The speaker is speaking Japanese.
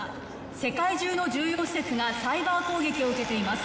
世界中の重要施設がサイバー攻撃を受けています。